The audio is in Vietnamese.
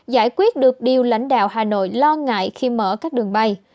giải quyết được điều lãnh đạo hà nội lo ngại khi mở các đường bay